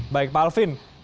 baik pak alvin